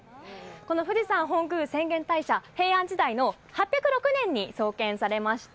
富士山本宮浅間大社、平安時代の８０６年に創建されました。